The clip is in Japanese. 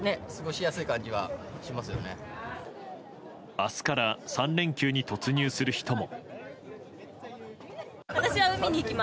明日から３連休に突入する人も。